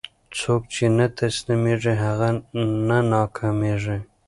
څوک چې نه تسلیمېږي، هغه نه ناکامېږي.